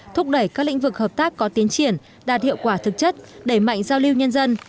thúc đẩy các lĩnh vực hợp tác có tiến triển đạt hiệu quả thực chất đẩy mạnh giao lưu nhân dân